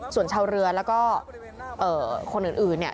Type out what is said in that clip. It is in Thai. ส่วนชาวเรือแล้วก็คนอื่น